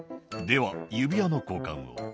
では指輪の交換を」